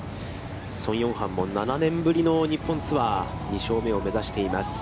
宋永漢も７年ぶりの日本ツアー、２勝目を目指しています。